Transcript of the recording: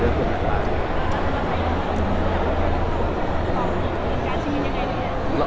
คุณคิดว่าคุณต้องกินการชีวิตยังไงดีนะ